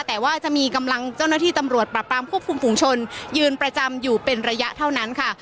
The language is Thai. แต่ว่าจะมีกำลังเจ้าหน้าที่ตำรวจปรับปรามควบคุมฝุงชนยืนประจำอยู่เป็นระยะเท่านั้นค่ะ